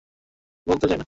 বলতেই চাই না।